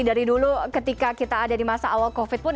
dari dulu ketika kita ada di masa awal covid pun